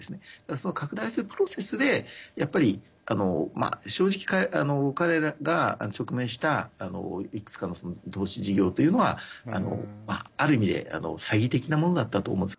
その拡大するプロセスでやっぱり、正直、彼らが直面したいくつかの投資事業というのはある意味で詐欺的なものだったと思うんです。